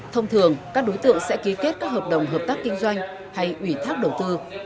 thông thường các đối tượng sẽ ký kết các hợp đồng hợp tác kinh doanh hay ủy thác đầu tư